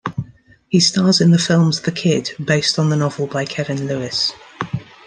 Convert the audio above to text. He stars in the films "The Kid", based on the novel by Kevin Lewis.